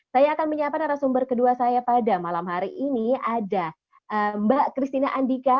saya akan menyapa narasumber kedua saya pada malam hari ini ada mbak christina andika